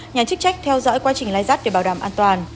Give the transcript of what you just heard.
nhà chức trách theo dõi quá trình lai rắt để bảo đảm an toàn